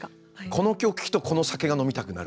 この曲聴くとこの酒が飲みたくなるとか。